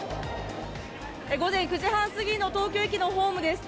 午前９時半過ぎの東京駅のホームです。